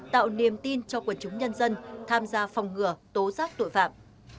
tạo niềm tin cho quần chúng nhân dân tham gia phòng ngừa tố giác tội phạm